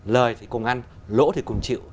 lợi thì cùng ăn lỗ thì cùng chịu